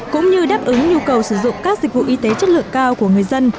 cũng như đáp ứng nhu cầu sử dụng các dịch vụ y tế chất lượng cao của người dân